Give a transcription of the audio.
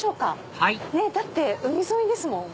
はいだって海沿いですもん。